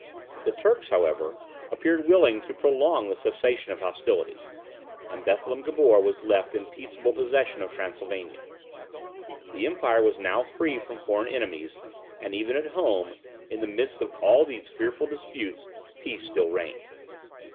The Turks, however, appeared willing to prolong the cessation of hostilities, and Bethlem Gabor was left in peaceable possession of Transylvania. The empire was now free from foreign enemies; and even at home, in the midst of all these fearful disputes, peace still reigned.